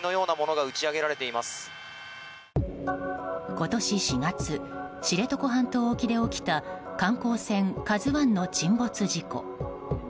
今年４月、知床半島沖で起きた観光船「ＫＡＺＵ１」の沈没事故。